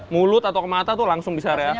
mulut atau ke mata tuh langsung bisa rea